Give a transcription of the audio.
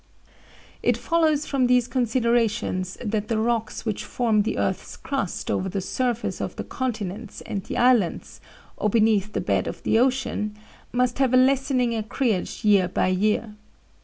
"It follows from these considerations that the rocks which form the earth's crust over the surface of the continents and the islands, or beneath the bed of the ocean, must have a lessening acreage year by year.